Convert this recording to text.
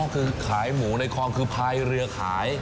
คือขายหมูในคลองคือพายเรือขาย